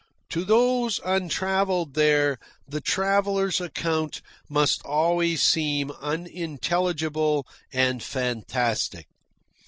To those untravelled there, the traveller's account must always seem unintelligible and fantastic.